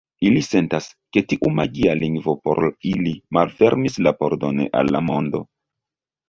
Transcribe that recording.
Ili sentas, ke tiu magia lingvo por ili malfermis la pordon al la mondo.